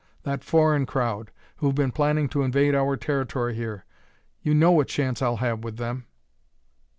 That foreign crowd, who've been planning to invade our territory here. You know what chance I'll have with them...."